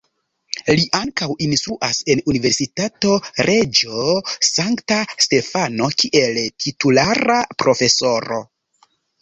Li ankaŭ instruas en Universitato Reĝo Sankta Stefano kiel titulara profesoro.